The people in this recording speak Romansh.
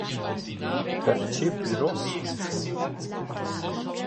«Perche pür uossa?»